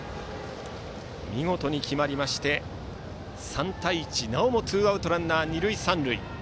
見事に決まりまして３対１なおもツーアウトランナー、二塁三塁。